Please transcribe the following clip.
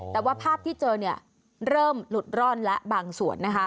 แต่ว่าภาพที่เจอเนี่ยเริ่มหลุดร่อนแล้วบางส่วนนะคะ